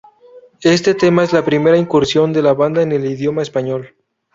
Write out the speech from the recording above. Este tema es la primera incursión de la banda en el idioma español.